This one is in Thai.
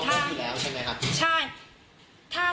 เข้าครุกอยู่แล้วใช่ไหมครับ